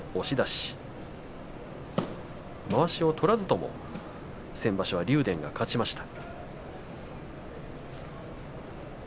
まわしを取らずとも先場所は竜電が勝ちました。